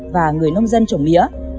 và người nông dân chủng mía